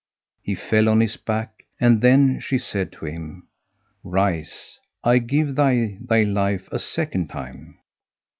He fell on his back,[FN#174] and then she said to him, "Rise: I give thee thy life a second time.